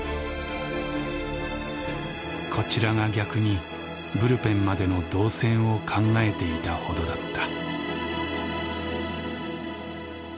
「こちらが逆にブルペンまでの導線を考えていたほどだった」。